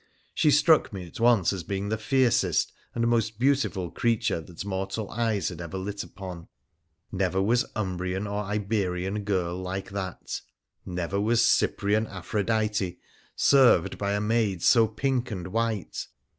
She struck me at once as being the fiercest and most beautiful creature that mortal eyes had ever lit upon. Never was Umbrian or Iberian girl like that ; never was Cyprian 6 WONDERFUL ADVENTURES OF Aphrodite served by a maid so pink and white.